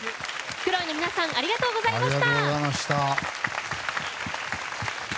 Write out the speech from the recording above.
Ｋｒｏｉの皆さんありがとうございました。